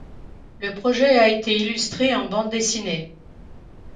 Le projet a été illustré en bande-dessinée.